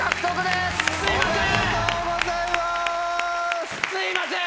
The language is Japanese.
すいません！